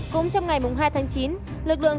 cũng trong ngày hai tháng chín lực lượng